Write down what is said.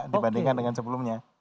dibandingkan dengan sebelumnya